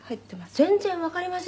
「全然わかりませんね」